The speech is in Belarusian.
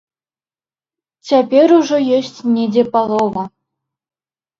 Цяпер ужо ёсць недзе палова.